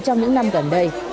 trong những năm gần đây